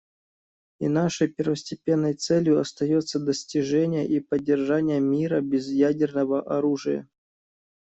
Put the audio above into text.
И нашей первостепенной целью остается достижение и поддержание мира без ядерного оружия.